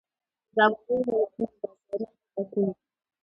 د ګاونډیو هیوادونو بازارونه کوم دي؟